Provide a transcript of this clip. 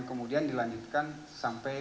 kemudian dilanjutkan sampai